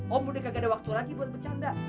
om udah gak ada waktu lagi buat bercanda